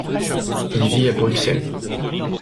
Il vit à Bruxelles.